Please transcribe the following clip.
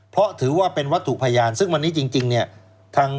เพราะถือว่าเป็นวัตถุพยานซึ่งวันนี้จริงเนี่ย